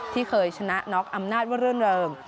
ที่เคยชนะน็อกอำนาจว่ารื่นเริง